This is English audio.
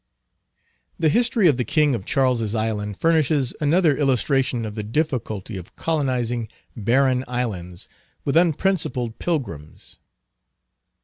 The history of the king of Charles's Island furnishes another illustration of the difficulty of colonizing barren islands with unprincipled pilgrims.